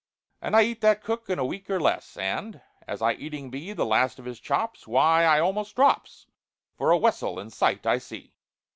"And I eat that cook in a week or less, And as I eating be The last of his chops, why, I almost drops, For a vessel in sight I see.